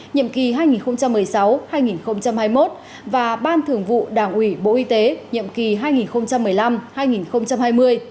nhiệm kỳ hai nghìn một mươi sáu hai nghìn hai mươi một và ban thường vụ đảng ủy bộ y tế nhiệm kỳ hai nghìn một mươi năm hai nghìn hai mươi